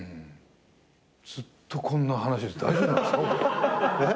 ずっとこんな話大丈夫なんですか？